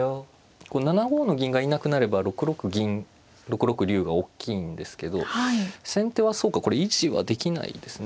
７五の銀がいなくなれば６六銀６六竜がおっきいんですけど先手はそうかこれ維持はできないですね